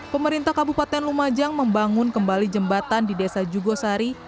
pemerintah kabupaten lumajang membangun kembali jembatan di desa jugosari